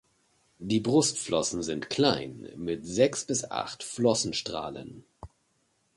Die Brustflossen sind klein, mit sechs bis acht Flossenstrahlen.